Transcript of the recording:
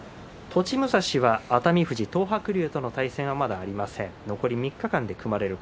栃武蔵は熱海富士、東白龍との対戦は、まだありません。